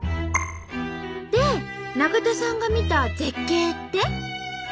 で中田さんが見た絶景って？